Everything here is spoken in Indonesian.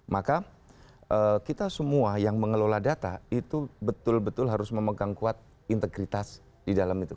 maka kita semua yang mengelola data itu betul betul harus memegang kuat integritas di dalam itu